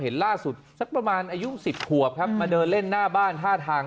ล่าสุดสักประมาณอายุ๑๐ขวบครับมาเดินเล่นหน้าบ้านท่าทาง